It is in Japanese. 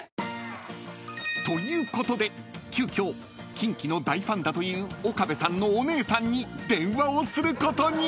［ということで急きょキンキの大ファンだという岡部さんのお姉さんに電話をすることに］